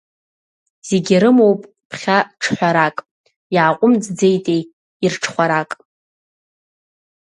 Зегьы ирымоуп ԥхьа ҿҳәарак, иааҟәымҵӡеитеи ирҽхәарак.